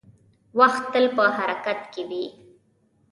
• وخت تل په حرکت کې وي.